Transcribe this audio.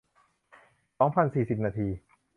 สองพันสี่สิบ นาที